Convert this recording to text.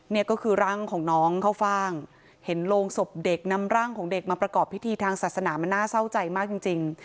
นี่ก็คือร่างของน้องเข้าฟ่างเห็นโรงศพเด็กนำร่างของเด็กมาประกอบพิธีทางศาสนามันน่าเศร้าใจมากจริง